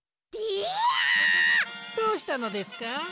どうしたのですか？